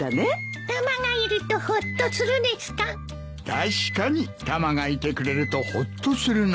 確かにタマがいてくれるとほっとするな。